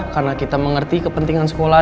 karena kita mengerti kepentingan sekolah